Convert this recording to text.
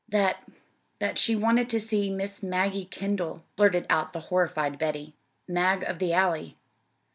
"That that she wanted to see Miss Maggie Kendall," blurted out the horrified Betty. "'Mag of the Alley.'"